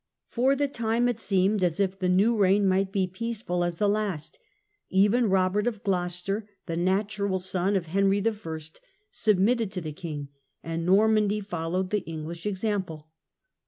For the time it seemed as if the new reign might be peaceful as the last Even Robert of Gloucester, the natural son of Henry I., submitted to the king, and Nor mandy followed the English example.